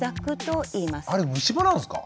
あれむし歯なんですか？